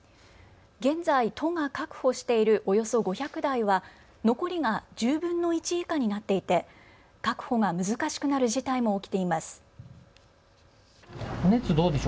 現在、都が確保しているおよそ５００台は残りが１０分の１以下になっていて確保が難しくなる事態も起きています。